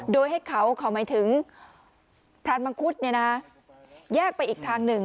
โดยให้เขาหมายถึงพรานมังคุดแยกไปอีกทางหนึ่ง